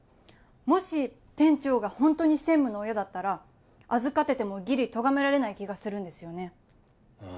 もし店長がホントに専務の親だったら預かっててもギリとがめられない気がするんですよね